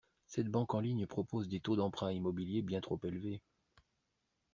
Cette banque en ligne propose des taux d’emprunt immobilier bien trop élevés.